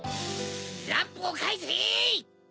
・ランプをかえせ！